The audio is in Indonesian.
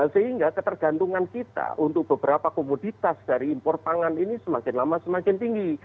sehingga ketergantungan kita untuk beberapa komoditas dari impor pangan ini semakin lama semakin tinggi